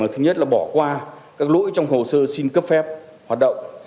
thứ nhất là bỏ qua các lỗi trong hồ sơ xin cấp phép hoạt động